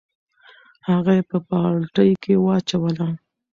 هغه یې په بالټي کې واچوله.